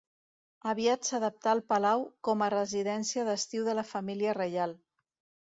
Aviat s'adaptà el palau com a residència d'estiu de la família reial.